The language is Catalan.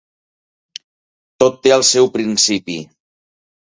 Tot té el seu principi.